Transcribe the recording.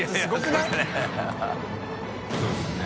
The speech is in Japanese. そうですね。